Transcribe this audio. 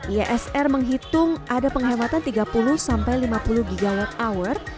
iesr menghitung ada penghematan tiga puluh sampai lima puluh gigawatt hour